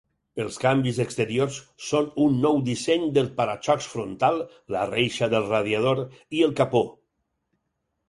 Els canvis exteriors són un nou disseny del para-xocs frontal, la reixa del radiador i el capó.